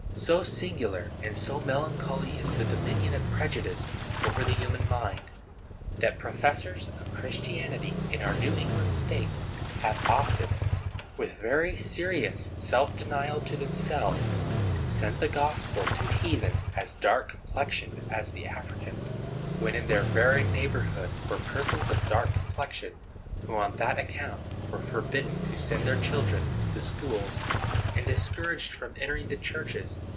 So singular and so melancholy is the dominion of prejudice over the human mind, that professors of Christianity in our New England States have often, with very serious self denial to themselves, sent the gospel to heathen as dark complexioned as the Africans, when in their very neighborhood were persons of dark complexion, who, on that account, were forbidden to send their children to the schools, and discouraged from entering the churches.